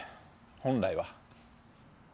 本来は。